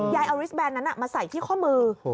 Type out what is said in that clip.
ยายเอาริสแนนนั้นมาใส่ที่ข้อมือ